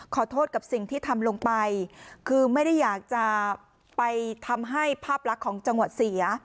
ขอโทษกับสิ่งที่ทำลงไปคือไม่ได้อยากจะไปทำให้ภาพลักษณ์ของจังหวัดเสีย